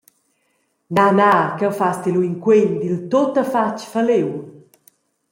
Na, na, cheu fas ti lu in quen dil tuttafatg falliu.